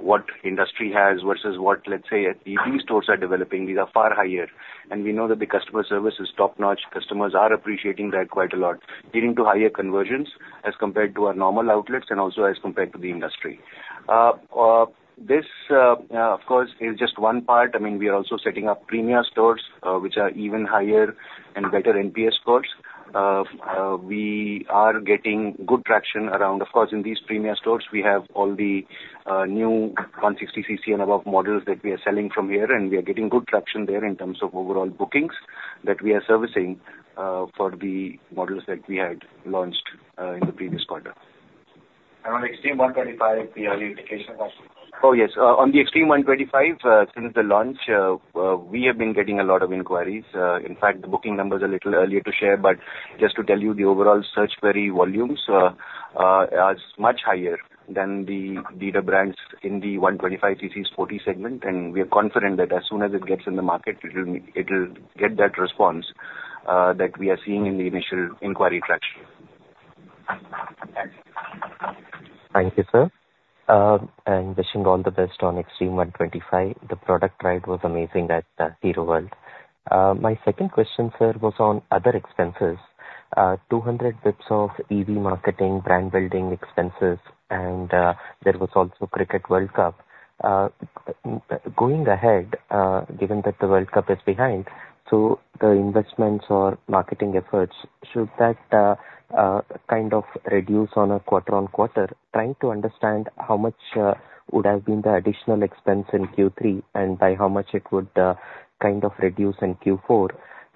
what industry has versus what, let's say, EV stores are developing. These are far higher. And we know that the customer service is top-notch. Customers are appreciating that quite a lot, leading to higher conversions as compared to our normal outlets and also as compared to the industry. This, of course, is just one part. I mean, we are also setting up premium stores, which are even higher and better NPS scores. We are getting good traction around, of course, in these premium stores, we have all the new 160 cc and above models that we are selling from here. We are getting good traction there in terms of overall bookings that we are servicing for the models that we had launched in the previous quarter. On Xtreme 125R, the early indications, Ashutosh? Oh, yes. On the Xtreme 125R, since the launch, we have been getting a lot of inquiries. In fact, the booking numbers are a little early to share. But just to tell you, the overall search query volumes are much higher than the VIDA brand in the 125cc sporty segment. And we are confident that as soon as it gets in the market, it will get that response that we are seeing in the initial inquiry traction. Thank you. Thank you, sir. Wishing all the best on Xtreme 125R. The product ride was amazing at Hero World. My second question, sir, was on other expenses, 200 basis points of EV marketing, brand-building expenses. There was also Cricket World Cup. Going ahead, given that the World Cup is behind, so the investments or marketing efforts, should that kind of reduce on a quarter-over-quarter, trying to understand how much would have been the additional expense in Q3 and by how much it would kind of reduce in Q4,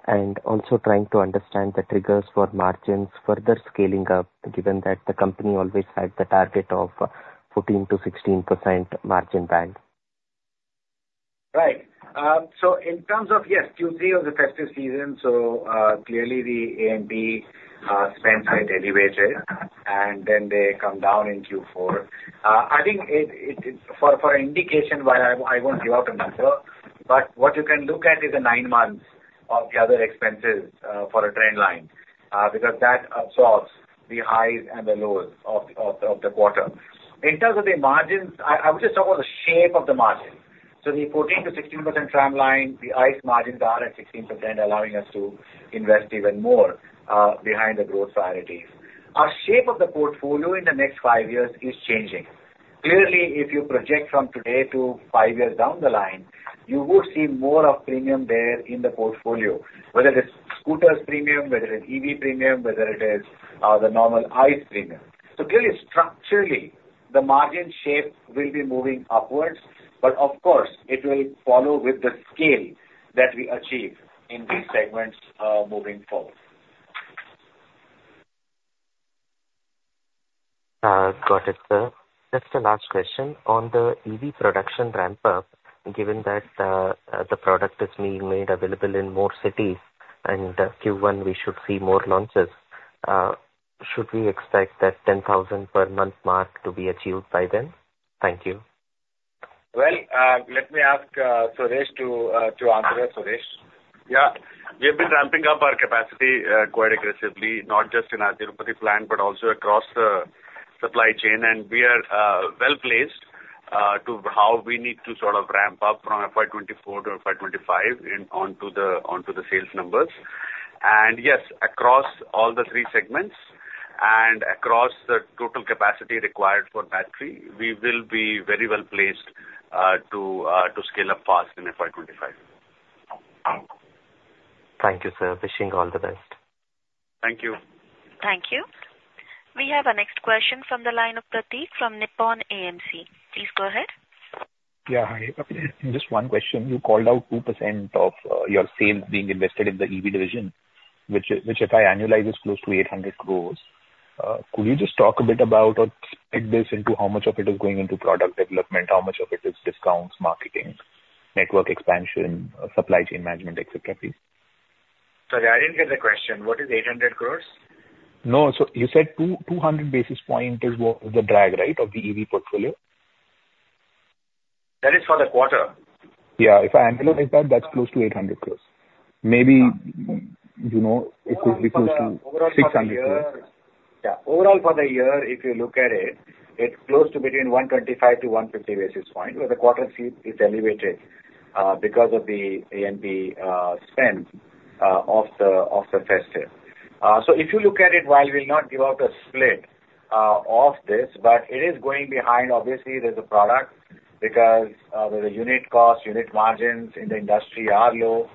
and also trying to understand the triggers for margins further scaling up, given that the company always had the target of 14%-16% margin band? Right. So in terms of, yes, Q3 was the festive season. So clearly, the A&P spend rate elevated. And then they come down in Q4. I think for an indication, while I won't give out a number, but what you can look at is a 9-month of the other expenses for a trend line because that absorbs the highs and the lows of the quarter. In terms of the margins, I would just talk about the shape of the margins. So the 14%-16% trend line, the ICE margins are at 16%, allowing us to invest even more behind the growth priorities. Our shape of the portfolio in the next five years is changing. Clearly, if you project from today to five years down the line, you would see more of premium there in the portfolio, whether it is scooters premium, whether it is EV premium, whether it is the normal ICE premium. So clearly, structurally, the margin shape will be moving upwards. But of course, it will follow with the scale that we achieve in these segments moving forward. Got it, sir. Just a last question. On the EV production ramp-up, given that the product is being made available in more cities and Q1, we should see more launches, should we expect that 10,000 per month mark to be achieved by then? Thank you. Well, let me ask Swadesh to answer that, Swadesh. Yeah. We have been ramping up our capacity quite aggressively, not just in our Tirupati plant but also across the supply chain. And we are well-placed to how we need to sort of ramp up from FY2024 to FY2025 onto the sales numbers. And yes, across all the three segments and across the total capacity required for battery, we will be very well-placed to scale up fast in FY2025. Thank you, sir. Wishing all the best. Thank you. Thank you. We have a next question from the line of Prateek from Nippon AMC. Please go ahead. Yeah. Hi. Just one question. You called out 2% of your sales being invested in the EV division, which if I annualize, is close to 800 crore. Could you just talk a bit about or split this into how much of it is going into product development, how much of it is discounts, marketing, network expansion, supply chain management, etc., please? Sorry. I didn't get the question. What is 800 crore? No. So you said 200 basis point is the drag, right, of the EV portfolio? That is for the quarter. Yeah. If I annualize that, that's close to 800 crore. Maybe it could be close to 600 crore. Yeah. Overall, for the year, if you look at it, it's close to between 125-150 basis points where the quarter's EBITDA is elevated because of the A&P spend of the festive. So if you look at it, while we'll not give out a split of this, but it is going behind, obviously, there's a product because the unit cost, unit margins in the industry are low,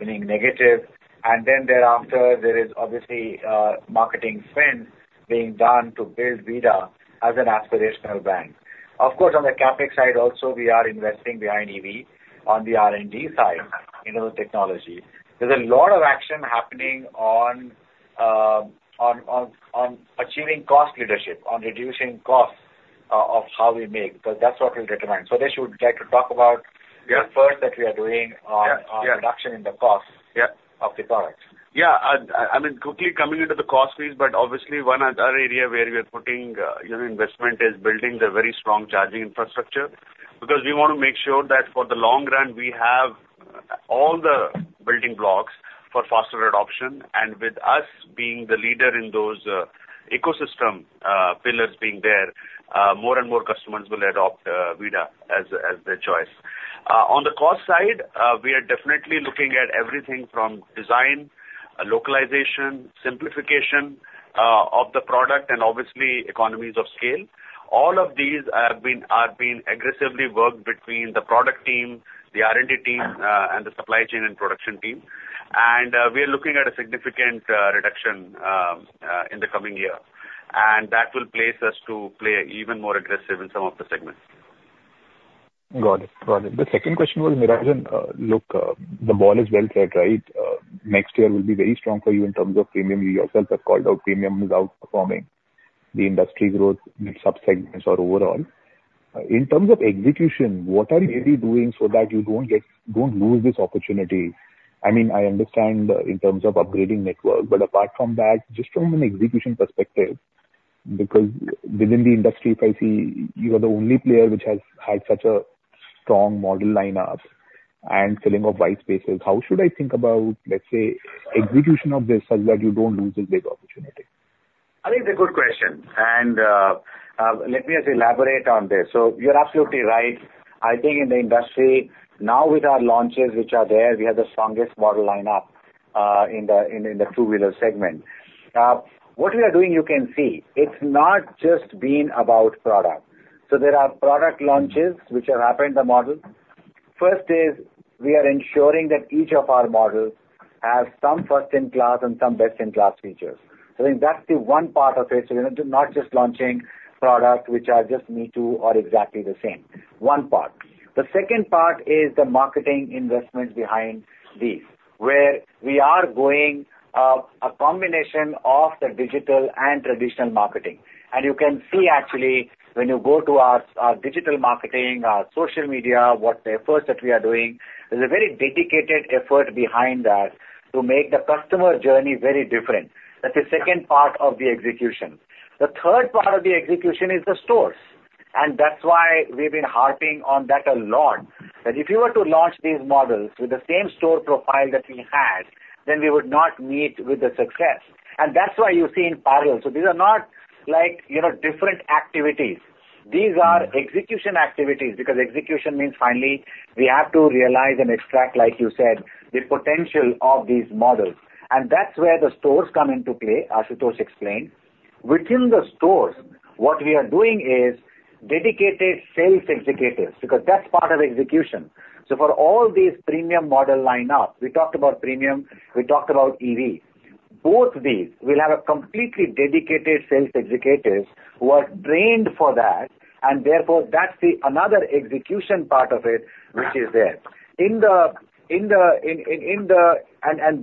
meaning negative. And then thereafter, there is obviously marketing spend being done to build VIDA as an aspirational brand. Of course, on the CapEx side also, we are investing behind EV on the R&D side in the technology. There's a lot of action happening on achieving cost leadership, on reducing costs of how we make because that's what will determine. So that's what we'd like to talk about first that we are doing on production in the cost of the products. Yeah. I mean, quickly coming into the cost piece, but obviously, one other area where we are putting investment is building the very strong charging infrastructure because we want to make sure that for the long run, we have all the building blocks for faster adoption. And with us being the leader in those ecosystem pillars being there, more and more customers will adopt VIDA as their choice. On the cost side, we are definitely looking at everything from design, localization, simplification of the product, and obviously, economies of scale. All of these have been aggressively worked between the product team, the R&D team, and the supply chain and production team. And we are looking at a significant reduction in the coming year. And that will place us to play even more aggressive in some of the segments. Got it. Got it. The second question was, Niranjan, look, the ball is well set, right? Next year will be very strong for you in terms of premium. You yourself have called out premium is outperforming the industry growth in subsegments or overall. In terms of execution, what are you really doing so that you don't lose this opportunity? I mean, I understand in terms of upgrading network. But apart from that, just from an execution perspective, because within the industry, if I see you are the only player which has had such a strong model lineup and filling of white spaces, how should I think about, let's say, execution of this such that you don't lose this big opportunity? I think it's a good question. Let me just elaborate on this. You're absolutely right. I think in the industry, now with our launches which are there, we have the strongest model lineup in the two-wheeler segment. What we are doing, you can see, it's not just been about product. There are product launches which have happened, the model. First is we are ensuring that each of our models has some first-in-class and some best-in-class features. I think that's the one part of it, not just launching products which are just me too or exactly the same. One part. The second part is the marketing investments behind these where we are going a combination of the digital and traditional marketing. You can see, actually, when you go to our digital marketing, our social media, what's the effort that we are doing. There's a very dedicated effort behind that to make the customer journey very different. That's the second part of the execution. The third part of the execution is the stores. And that's why we've been harping on that a lot, that if you were to launch these models with the same store profile that we had, then we would not meet with the success. And that's why you see in parallel. So these are not different activities. These are execution activities because execution means, finally, we have to realize and extract, like you said, the potential of these models. And that's where the stores come into play, Ashutosh explained. Within the stores, what we are doing is dedicated sales executives because that's part of execution. So for all these premium model lineups, we talked about premium. We talked about EV. Both these, we'll have completely dedicated sales executives who are trained for that. And therefore, that's another execution part of it which is there. And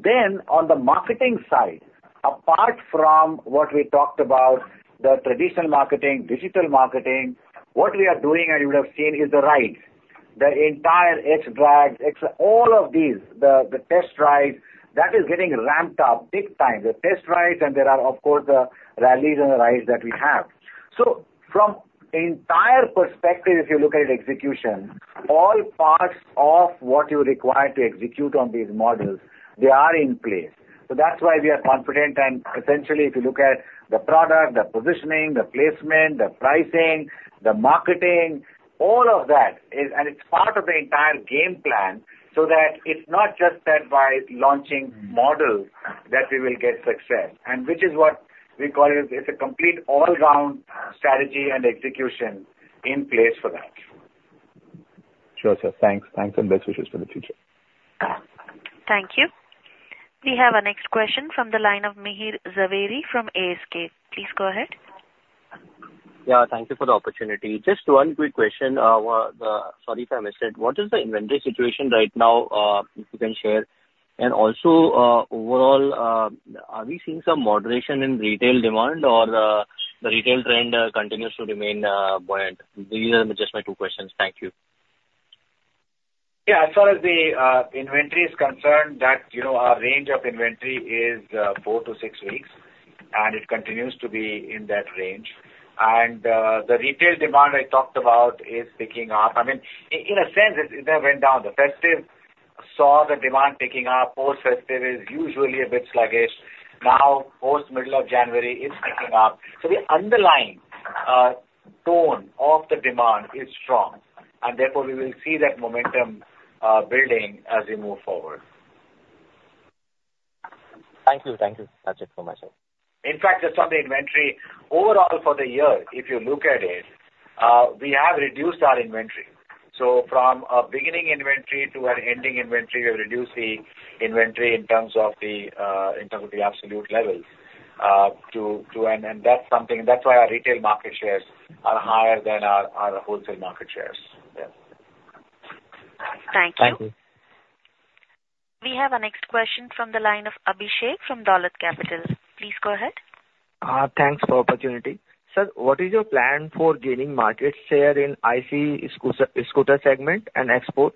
then on the marketing side, apart from what we talked about, the traditional marketing, digital marketing, what we are doing and you would have seen is the rides, the entire Xtreme Drags, all of these, the test rides, that is getting ramped up big time, the test rides. And there are, of course, the rallies and the rides that we have. So from entire perspective, if you look at execution, all parts of what you require to execute on these models, they are in place. So that's why we are confident. Essentially, if you look at the product, the positioning, the placement, the pricing, the marketing, all of that is, and it's part of the entire game plan so that it's not just that by launching models that we will get success, which is what we call it. It's a complete all-round strategy and execution in place for that. Sure, sir. Thanks. Thanks and best wishes for the future. Thank you. We have a next question from the line of Mihir Jhaveri from ASK. Please go ahead. Yeah. Thank you for the opportunity. Just one quick question. Sorry if I missed it. What is the inventory situation right now, if you can share? And also overall, are we seeing some moderation in retail demand, or the retail trend continues to remain buoyant? These are just my two questions. Thank you. Yeah. As far as the inventory is concerned, our range of inventory is 4-6 weeks. And it continues to be in that range. And the retail demand I talked about is picking up. I mean, in a sense, it never went down. The festive saw the demand picking up. Post-festive is usually a bit sluggish. Now, post-middle of January, it's picking up. So the underlying tone of the demand is strong. And therefore, we will see that momentum building as we move forward. Thank you. Thank you, Ranjiv, from my side. In fact, just on the inventory, overall for the year, if you look at it, we have reduced our inventory. So from a beginning inventory to an ending inventory, we have reduced the inventory in terms of the absolute levels. And that's why our retail market shares are higher than our wholesale market shares. Yeah. Thank you. Thank you. We have a next question from the line of Abhishek from Dolat Capital. Please go ahead. Thanks for the opportunity. Sir, what is your plan for gaining market share in ICE scooter segment and export?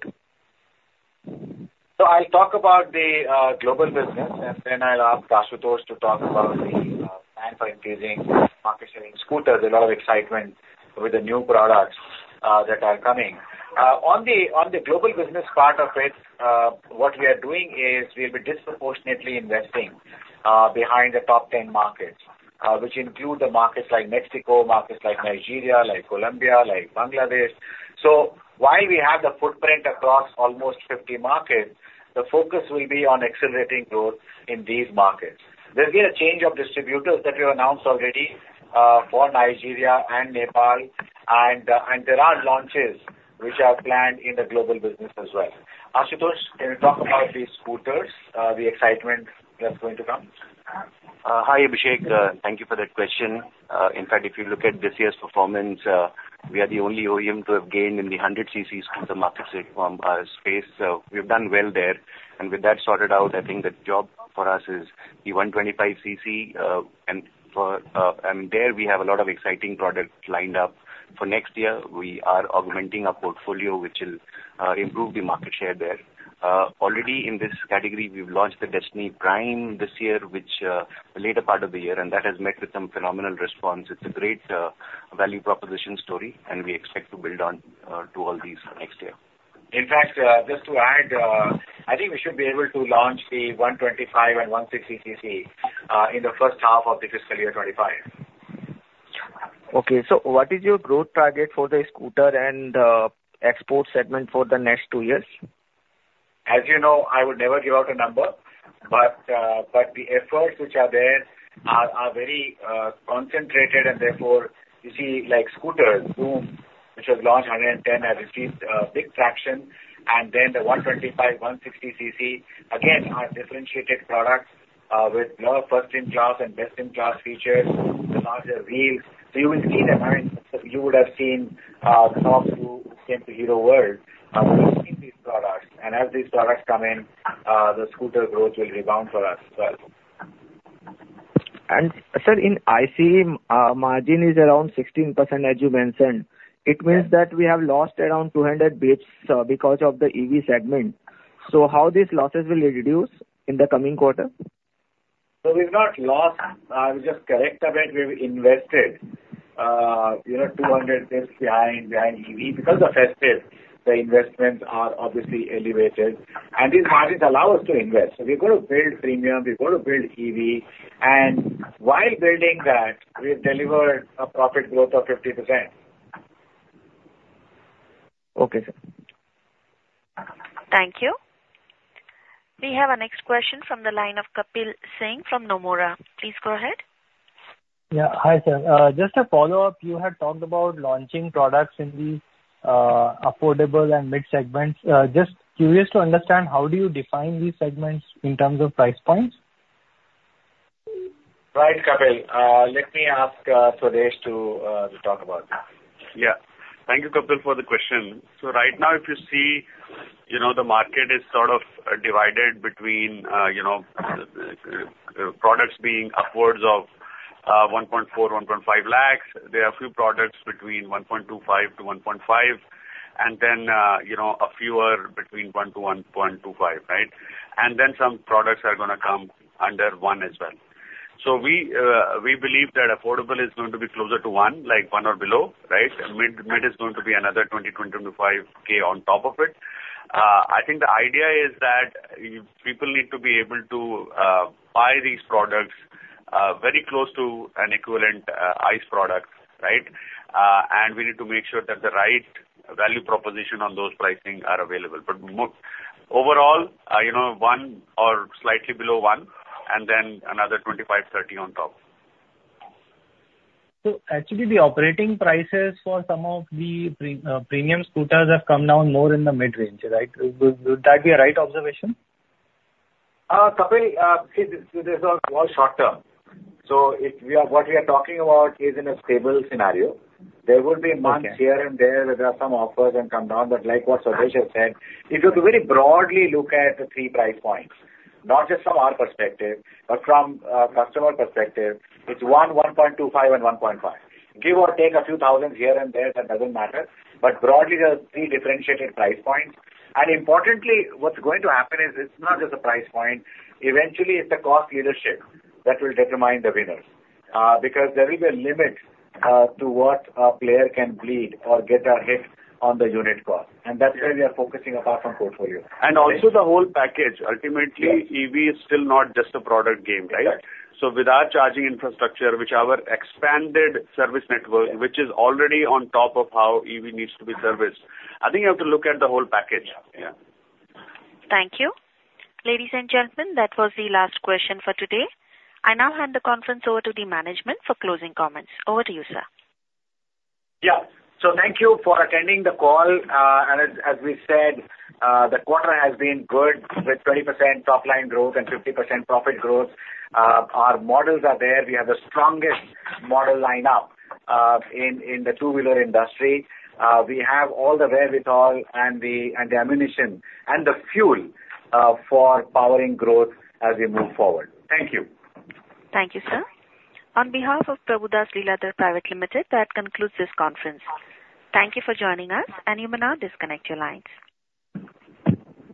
So I'll talk about the global business. And then I'll ask Ashutosh to talk about the plan for increasing market share in scooters. A lot of excitement with the new products that are coming. On the global business part of it, what we are doing is we'll be disproportionately investing behind the top 10 markets, which include the markets like Mexico, markets like Nigeria, like Colombia, like Bangladesh. So while we have the footprint across almost 50 markets, the focus will be on accelerating growth in these markets. There's been a change of distributors that we announced already for Nigeria and Nepal. And there are launches which are planned in the global business as well. Ashutosh, can you talk about these scooters, the excitement that's going to come? Hi, Abhishek. Thank you for that question. In fact, if you look at this year's performance, we are the only OEM to have gained in the 100cc scooter market space. So we've done well there. And with that sorted out, I think the job for us is the 125cc. And there, we have a lot of exciting products lined up. For next year, we are augmenting our portfolio, which will improve the market share there. Already in this category, we've launched the Destini Prime this year, which later part of the year, and that has met with some phenomenal response. It's a great value proposition story. And we expect to build on to all these next year. In fact, just to add, I think we should be able to launch the 125 and 160cc in the first half of the fiscal year 2025. Okay. So what is your growth target for the scooter and export segment for the next two years? As you know, I would never give out a number. But the efforts which are there are very concentrated. And therefore, you see scooters which have launched 110 have received big traction. And then the 125, 160cc, again, are differentiated products with first-in-class and best-in-class features, the larger wheels. So you will see them. I mean, you would have seen some of you who came to Hero World. We've seen these products. And as these products come in, the scooter growth will rebound for us as well. Sir, in ICE, margin is around 16%, as you mentioned. It means that we have lost around 200 basis points because of the EV segment. So how these losses will reduce in the coming quarter? So we've not lost. I will just correct a bit. We've invested 200 basis points behind EV because of festive. The investments are obviously elevated. And this margin allows us to invest. So we've got to build premium. We've got to build EV. And while building that, we've delivered a profit growth of 50%. Okay, sir. Thank you. We have a next question from the line of Kapil Singh from Nomura. Please go ahead. Yeah. Hi, sir. Just a follow-up. You had talked about launching products in these affordable and mid-segments. Just curious to understand, how do you define these segments in terms of price points? Right, Kapil. Let me ask Swadesh to talk about this. Yeah. Thank you, Kapil, for the question. So right now, if you see the market is sort of divided between products being upwards of 1.4-1.5 lakh. There are a few products between 1.25-1.5 lakh and then fewer between 1-1.25 lakh, right? And then some products are going to come under 1 lakh as well. So we believe that affordable is going to be closer to 1 lakh, like 1 lakh or below, right? Mid is going to be another 20,000-25,000 on top of it. I think the idea is that people need to be able to buy these products very close to an equivalent ICE product, right? And we need to make sure that the right value proposition on those pricing are available. But overall, 1 lakh or slightly below 1 lakh and then another 25,000-30,000 on top. So actually, the operating prices for some of the premium scooters have come down more in the mid-range, right? Would that be a right observation? Kapil, see, this is all short term. So what we are talking about is in a stable scenario. There will be months here and there where there are some offers that come down. But like what Swadesh has said, if you have to very broadly look at the three price points, not just from our perspective but from a customer perspective, it's 1, 1.25, and 1.5. Give or take a few thousand here and there. That doesn't matter. But broadly, there are three differentiated price points. And importantly, what's going to happen is it's not just a price point. Eventually, it's the cost leadership that will determine the winners because there will be a limit to what a player can bleed or get a hit on the unit cost. And that's where we are focusing apart from portfolio. And also the whole package. Ultimately, EV is still not just a product game, right? So with our charging infrastructure, which is our expanded service network, which is already on top of how EV needs to be serviced, I think you have to look at the whole package. Yeah. Thank you. Ladies and gentlemen, that was the last question for today. I now hand the conference over to the management for closing comments. Over to you, sir. Yeah. So thank you for attending the call. And as we said, the quarter has been good with 20% top-line growth and 50% profit growth. Our models are there. We have the strongest model lineup in the two-wheeler industry. We have all the raw materials and the ammunition and the fuel for powering growth as we move forward. Thank you. Thank you, sir. On behalf of Prabhudas Lilladher Private Limited, that concludes this conference. Thank you for joining us. You may now disconnect your lines.